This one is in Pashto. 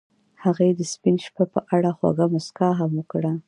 هغې د سپین شپه په اړه خوږه موسکا هم وکړه.